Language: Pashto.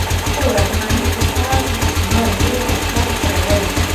خو رحماني استاد به یې غوسه سړوله.